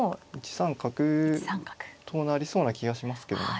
１三角となりそう気がしますけども。